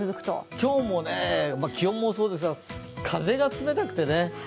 今日も気温もそうですが風が冷たくてね。